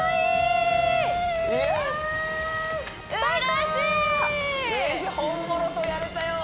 嬉しい本物とやれたよ！